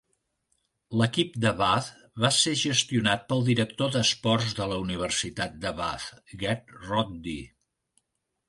L'equip de Bath va ser gestionat pel director d'esports de la Universitat de Bath, Ged Roddy.